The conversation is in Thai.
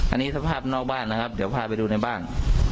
อันนี้สภาพนอกบ้านนะครับเดี๋ยวพาไปดูในบ้าน